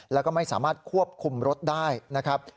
แล้วก็ไม่สามารถควบคุมรถได้นะครับ